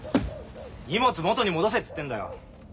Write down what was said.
荷物元に戻せっつってんだよ。